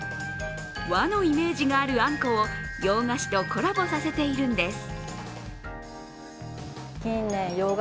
和のイメージがあるあんこを洋菓子とコラボさせているんです。